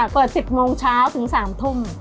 เปิด๑๐โมงเช้าถึง๓ทุ่ม